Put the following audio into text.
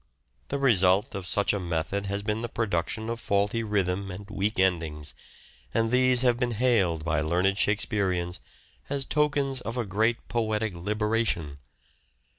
The result of such a method has been the production of faulty rhythm and " weak endings," and these have been hailed by learned Shakespeareans as tokens of a great poetic liberation.